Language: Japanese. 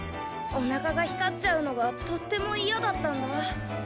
おなかが光っちゃうのがとってもいやだったんだ。